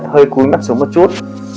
hơi cúi mắt xuống một chút